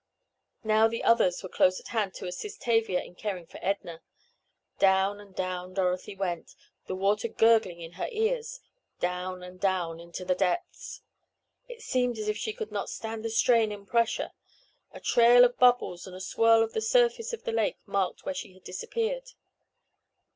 Now the others were close at hand to assist Tavia in caring for Edna. Down and down Dorothy went, the water gurgling in her ears—down and down into the depths. It seemed as if she could not stand the strain and pressure. A trail of bubbles and a swirl of the surface of the lake marked where she had disappeared.